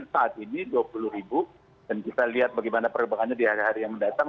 saat ini dua puluh ribu dan kita lihat bagaimana perkembangannya di hari hari yang mendatang